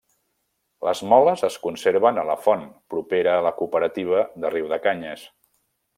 Les moles es conserven a la font propera a la cooperativa de Riudecanyes.